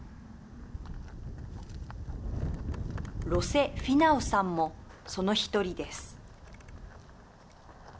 ロセ・フィナウさんもその１人です。